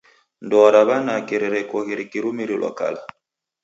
Ndoa ra w'anake rereko rikirumirilwa kala.